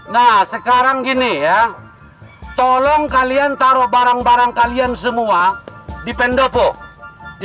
nah sekarang gini ya tolong kalian taruh barang barang kalian semua di pendopo